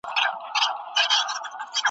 یوه ورځ یې د سپي سترګي وې تړلي .